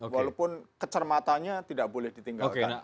walaupun kecermatannya tidak boleh ditinggalkan